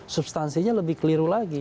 substansinya lebih keliru lagi